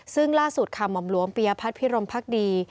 ซึ่งล่าสุดค่ะหม่อมหลวงปียพัฒน์พิรมพักดี